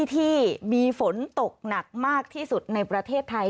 ที่มีฝนตกหนักมากที่สุดในประเทศไทย